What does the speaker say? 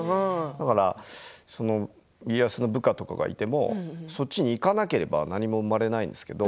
だから家康の部下とかがいてもそっちに行かなければ何も生まれないですけど